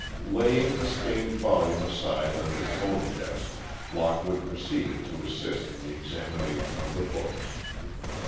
Laying the stained volume aside in his own desk, Lockwood proceeded to assist in the examination of the books.